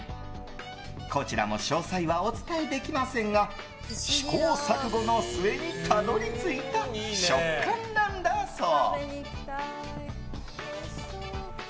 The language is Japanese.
こちらも詳細はお伝えできませんが試行錯誤の末にたどり着いた食感なんだそう。